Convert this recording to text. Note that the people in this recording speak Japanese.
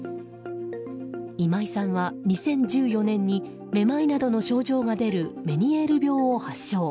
今井さんは２０１４年にめまいなどの症状が出るメニエール病を発症。